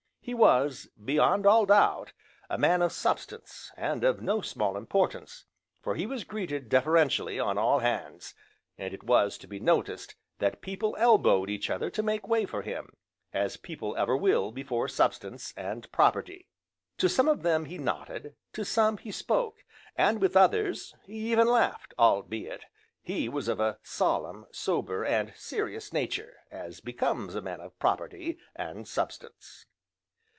He was, beyond all doubt, a man of substance, and of no small importance, for he was greeted deferentially on all hands, and it was to be noticed that people elbowed each other to make way for him, as people ever will before substance, and property. To some of them he nodded, to some he spoke, and with others he even laughed, albeit he was of a solemn, sober, and serious nature, as becomes a man of property, and substance.